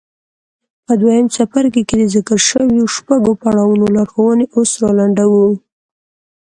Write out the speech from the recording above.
په دويم څپرکي کې د ذکر شويو شپږو پړاوونو لارښوونې اوس را لنډوو.